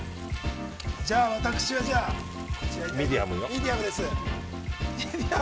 私はじゃあミディアムです。